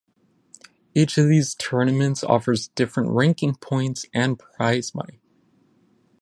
Each of these tournaments offers different ranking points and prize money.